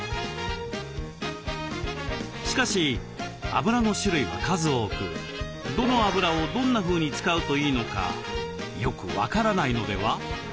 しかしあぶらの種類は数多くどのあぶらをどんなふうに使うといいのかよく分からないのでは？